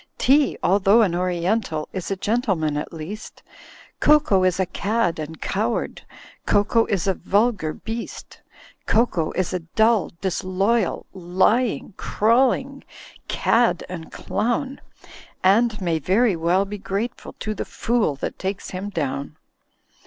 "Tea, although an Oriental, Is a gentleman at least; Cocoa is a cad and coward. Cocoa is a vulgar beast; Cocoa is a dull, disloyal. Lying, crawling cad and clown. And may very well be grateful To the fool that takes him down.